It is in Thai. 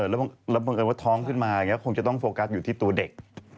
แล้วเผลอเอิญท้องขึ้นมาคงจะต้องโฟกัสอยู่ที่ตัวเด็ก